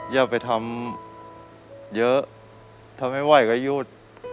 อย่าไปทำเยอะถ้าไม่ไหวก็หยุด